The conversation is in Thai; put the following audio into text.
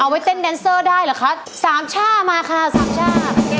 ไว้เต้นแดนเซอร์ได้เหรอคะสามช่ามาค่ะสามช่า